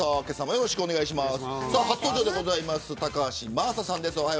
よろしくお願いします。